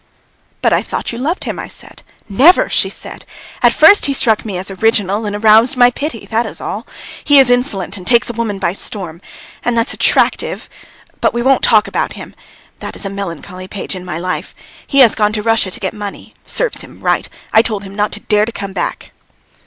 "But I thought you loved him," I said. "Never," she said. "At first he struck me as original and aroused my pity, that was all. He is insolent and takes a woman by storm. And that's attractive. But we won't talk about him. That is a melancholy page in my life. He has gone to Russia to get money. Serve him right! I told him not to dare to come back."